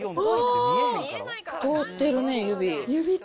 通ってるね、指。